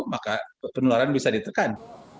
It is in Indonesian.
maka penularan bisa ditekan